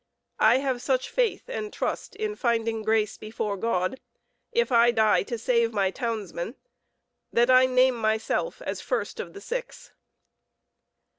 I have such faith and trust in finding grace before God, if I die to save my townsmen, that I name myself as first of the six."